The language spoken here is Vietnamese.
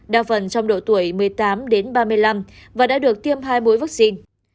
đa phần trong độ tuổi một mươi tám đến ba mươi năm và đã được tiêm hai mũi vaccine